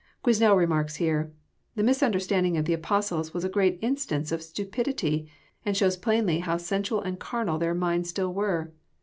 Quesnel remarks here :" The misunderstanding of the Apos tles was a great instance of stupidity, and shows plainly how sensual and carnal their minds still were.